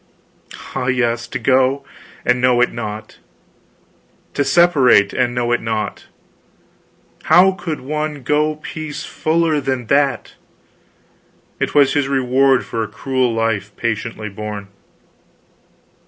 Ah, yes, to go, and know it not; to separate and know it not; how could one go peace fuller than that? It was his reward for a cruel life patiently borne."